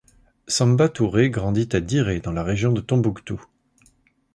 Samba Touré grandit à Diré dans la région de Tombouctou.